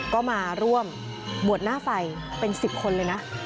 ก็มาร่วมบวชหน้าไฟเป็น๑๐คนเลยนะ